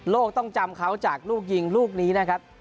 ต้องจำเขาจากลูกยิงลูกนี้นะครับ